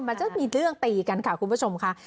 มันจะมีเรื่องตีกันค่ะคุณผู้ชมค่ะ